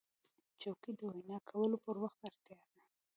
چوکۍ د وینا کولو پر وخت اړتیا ده.